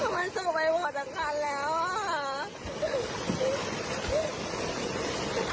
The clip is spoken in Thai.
มันส่งไปหมดจากกันแล้วอ่ะฮะ